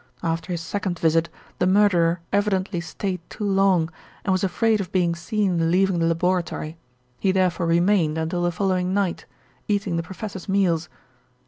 After his second visit the murderer evidently stayed too long, and was afraid of being seen leaving the laboratory. He therefore remained until the following night, eating the professor's meals.